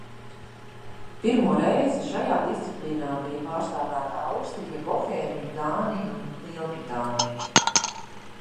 Pirmo reizi šajā disciplīnā bija pārstāvēta Austrija, Bohēmija, Dānija un Lielbritānija.